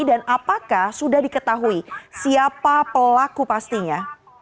dan apakah sudah diketahui siapa pelaku pastinya